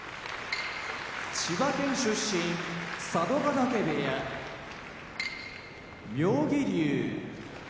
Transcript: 千葉県出身佐渡ヶ嶽部屋妙義龍